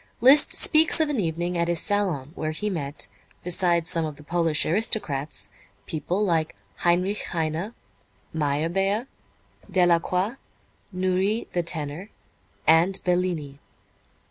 Liszt speaks of an evening at his salon where he met, besides some of the Polish aristocrats, people like Heinrich Heine, Meyerbeer, Delacroix, Nourrit, the tenor, and Bellini.